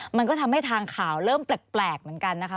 มันก็ทำให้ทางข่าวเริ่มแปลกเหมือนกันนะคะ